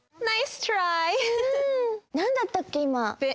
なんだったっけ？